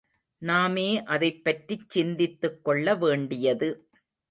நாமே அதைப்பற்றிச் சிந்தித்துக்கொள்ள வேண்டியது.